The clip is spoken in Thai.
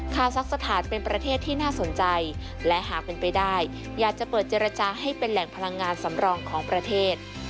คาซักสถานเป็นประเทศที่น่าสนใจและหากเป็นไปได้อยากจะเปิดเจรจาให้เป็นแหล่งพลังงานสำรองของประเทศ